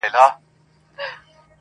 د شپې ویښ په ورځ ویده نه په کارېږي٫